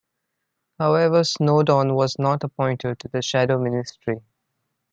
However, Snowdon was not appointed to the shadow ministry.